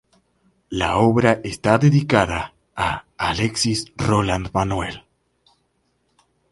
La obra está dedicada a Alexis Roland-Manuel.